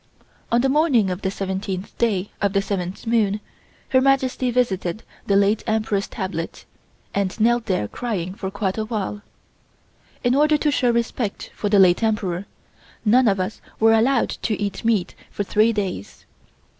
On the morning of the seventeenth day of the seventh moon, Her Majesty visited the late Emperor's tablet, and knelt there crying for quite a while. In order to show respect for the late Emperor, none of us were allowed to eat meat for three days.